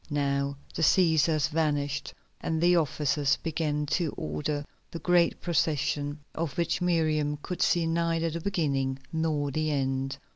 Now the Cæsars vanished and the officers began to order the great procession, of which Miriam could see neither the beginning nor the end.